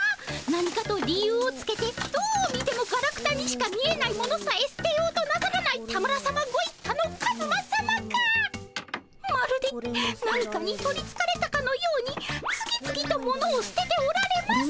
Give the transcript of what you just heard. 何かと理由をつけてどう見てもガラクタにしか見えない物さえ捨てようとなさらない田村さまご一家のカズマさまがまるで何かに取りつかれたかのように次々と物を捨てておられます。